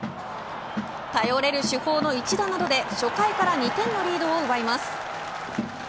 頼れる主砲の一打などで初回から２点のリードを奪います。